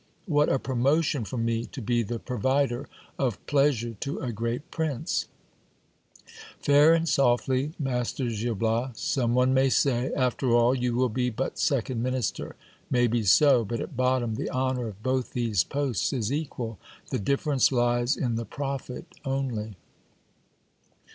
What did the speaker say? What a promotion for me to be the provider of pleasure to a great prince ! Fair and softly, Mas ter Gil Bias, some one may say : after all, you will be but second minister. May be so ; but at bottom the honour of both these posts is equal ; the differ ence lies in the profit only.